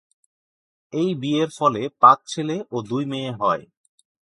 এই বিয়ের ফলে পাঁচ ছেলে ও দুই মেয়ে হয়।